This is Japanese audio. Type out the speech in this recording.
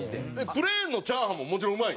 プレーンのチャーハンももちろんうまい？